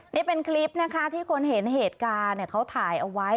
นี่เป็นคลิปนะคะที่คนเห็นเหตุการณ์เขาถ่ายเอาไว้